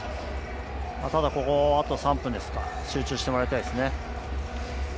ただ、ここあと３分集中してもらいたいですね。